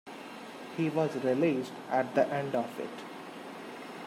He was released at the end of it.